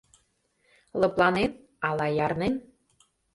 Лыпланен ала ярнен